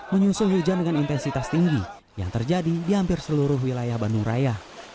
menyusul hujan dengan intensitas tinggi yang terjadi di hampir seluruh wilayah bandung raya